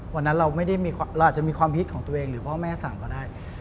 วันนั้นเราไม่ได้เราอาจจะมีความฮิตของตัวเองหรือพ่อแม่สั่งก็ได้